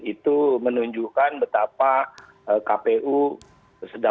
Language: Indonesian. itu menunjukkan betapa kpu sedang memuaskan